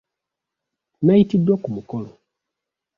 Nnayitiddwa ku mukolo.